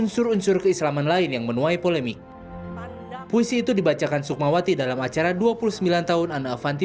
semurni irama puja kepada ilahi